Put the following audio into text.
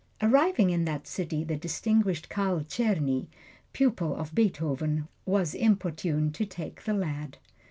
Arriving in that city the distinguished Carl Czerny, pupil of Beethoven, was importuned to take the lad.